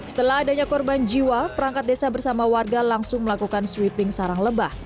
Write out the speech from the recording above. setelah adanya korban jiwa perangkat desa bersama warga langsung melakukan sweeping sarang lebah